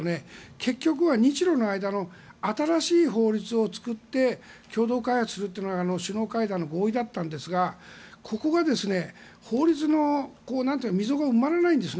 結局は日ロの間の新しい法律を作って共同開発するというのが首脳会談の合意だったんですがここが法律の溝が埋まらないんですね。